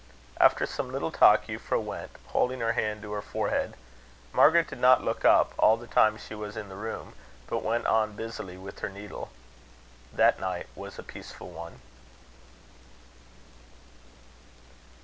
After some little talk, Euphra went, holding her hand to her forehead. Margaret did not look up, all the time she was in the room, but went on busily with her needle. That night was a peaceful one.